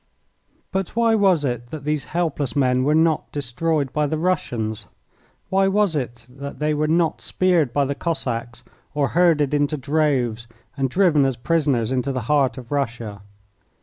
But why was it that these helpless men were not destroyed by the Russians? Why was it that they were not speared by the Cossacks or herded into droves, and driven as prisoners into the heart of Russia?